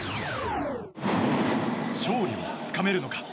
勝利をつかめるのか。